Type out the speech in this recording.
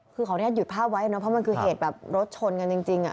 คือขออนุญาตหยุดภาพไว้เนอะเพราะมันคือเหตุแบบรถชนกันจริง